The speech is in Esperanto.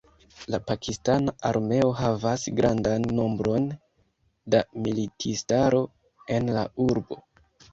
La pakistana armeo havas grandan nombron da militistaro en la urbo.